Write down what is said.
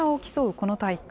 この大会。